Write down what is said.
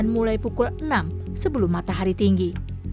dan mulai pukul enam sebelum matahari tinggi